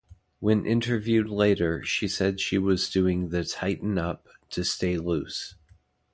When interviewed later she said she was doing the "Tighten Up" to stay loose.